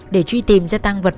để truy tìm ra tăng vật